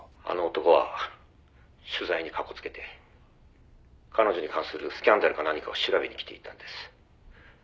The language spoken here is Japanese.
「あの男は取材にかこつけて彼女に関するスキャンダルか何かを調べに来ていたんです」